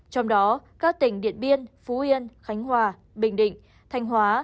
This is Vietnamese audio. trong đó các tỉnh điện biên phú yên khánh hòa bình định thanh hóa